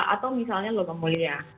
atau misalnya logam mulia